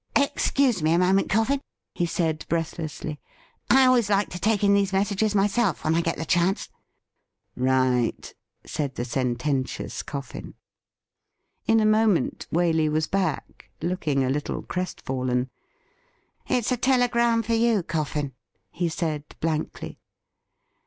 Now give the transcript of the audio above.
' Excuse me a moment. Coffin,' he said breathlessly. ' I always like to take in these messages myself when I get the chance.' ' Right,' said the sententious Coffin. In a moment Waley was back, looking a little crestfallen. 16 242 THE RIDDLE RING ' It's a telegram for you, Coffin,' he said bknkly.